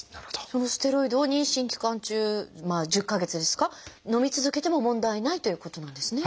そのステロイドを妊娠期間中１０か月ですかのみ続けても問題ないということなんですね。